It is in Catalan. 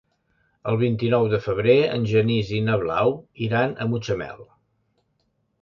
El vint-i-nou de febrer en Genís i na Blau iran a Mutxamel.